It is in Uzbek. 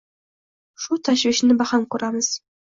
Shu tashvishni baham kuramiz